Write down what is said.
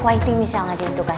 fighting misalnya deh itu guys